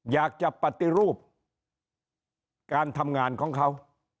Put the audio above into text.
อยากจะปฏิรูปการทำงานของเขา